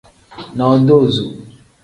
Nodoozo.